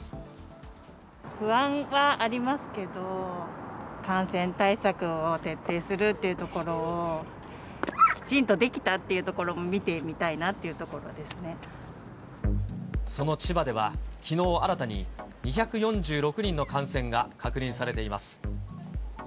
不安はありますけど、感染対策を徹底するというところをきちんとできたっていうところその千葉では、きのう、新たに２４６人の感染が確認されています。